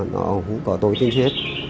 nó không có tội tin thiết